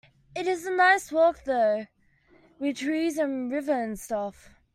It's a nice walk though, with trees and a river and stuff.